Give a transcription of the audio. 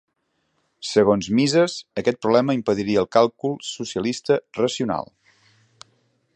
Segons Mises, aquest problema impediria el càlcul socialista racional.